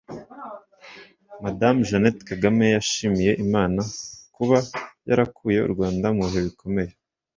Madame Jeannette Kagame yashimiye Imana ku kuba yarakuye u Rwanda mu bihe bikomeye